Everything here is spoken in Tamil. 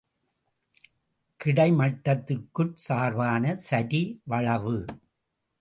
கிடைமட்டத்திற்குச் சார்பான சரிவளவு.